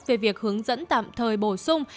về việc hướng dẫn tạm thời bổ sung